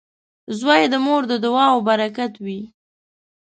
• زوی د مور د دعاو برکت وي.